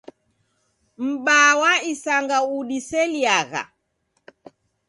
M'baa wa isanga udiseliagha.